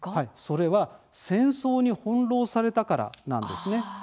それは戦争に翻弄されたからなんですね。